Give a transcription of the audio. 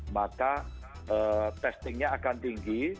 maka testingnya akan tinggi